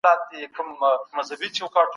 ځیني خلګ د تاریخي کسانو سخت مخالفین دي.